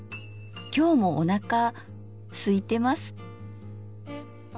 今日もおなかすいてます。